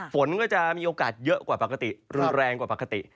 ฝนก็จะมีโอกาสเยอะกว่าปกติรุนแรงกว่าปกติ